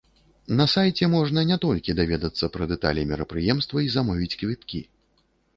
На сайце можна не толькі даведацца пра дэталі мерапрыемства і замовіць квіткі.